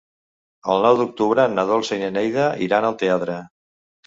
El nou d'octubre na Dolça i na Neida iran al teatre.